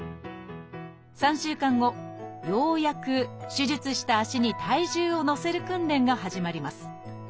３週間後ようやく手術した足に体重をのせる訓練が始まります。